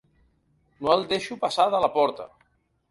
No el deixo passar de la porta.